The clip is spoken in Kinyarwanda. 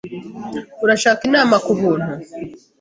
Urashaka inama kubuntu?